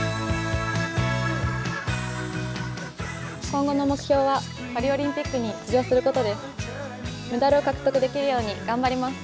今後の目標はパリオリンピックに出場することです。